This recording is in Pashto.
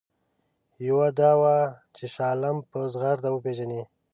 یوه دا وه چې شاه عالم په زغرده وپېژني.